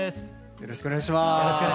よろしくお願いします。